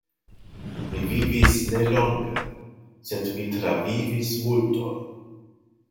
Mi vivis ne longe, sed mi travivis multon.